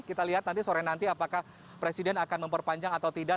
kita lihat nanti sore nanti apakah presiden akan memperpanjang atau tidak